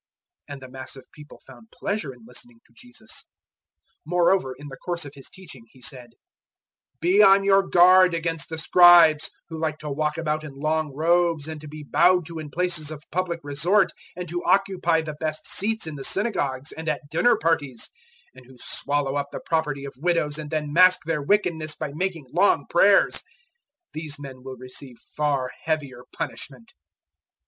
And the mass of people found pleasure in listening to Jesus. 012:038 Moreover in the course of His teaching He said, "Be on your guard against the Scribes who like to walk about in long robes and to be bowed to in places of public resort, 012:039 and to occupy the best seats in the synagogues and at dinner parties, 012:040 and who swallow up the property of widows and then mask their wickedness by making long prayers: these men will receive far heavier punishment."